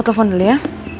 aku telepon dulu ya